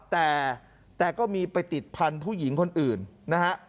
แต่ก็มีไปติดพันธุ์ผู้หญิงคนอื่นนะฮะ